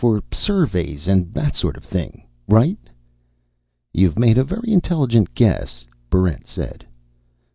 For surveys and that sort of thing. Right?" "You've made a very intelligent guess," Barrent said.